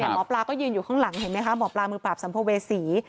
แต่หมอปลาก็ยืนอยู่ข้างหลังเห็นไหมคะหมอปลามือปราบสัมภเวษี